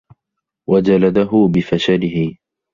وَجَلَدُهُ بِفَشَلِهِ